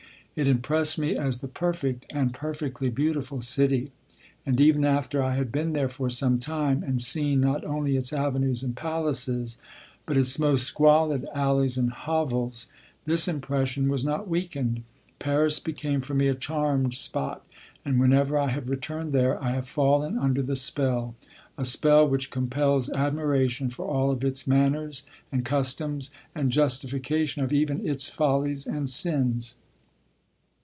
It impressed me as the perfect and perfectly beautiful city; and even after I had been there for some time, and seen not only its avenues and palaces, but its most squalid alleys and hovels, this impression was not weakened. Paris became for me a charmed spot, and whenever I have returned there, I have fallen under the spell, a spell which compels admiration for all of its manners and customs and justification of even its follies and sins.